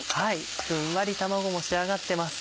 ふんわり卵も仕上がってます。